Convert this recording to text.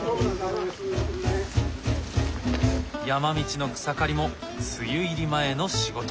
山道の草刈りも梅雨入り前の仕事。